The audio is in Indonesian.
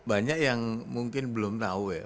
banyak yang mungkin belum tahu ya